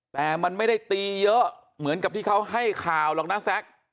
แต่มันไม่ได้ตีเยอะเหมือนกับที่เขาให้ข่าวหรอกนะแซ็ก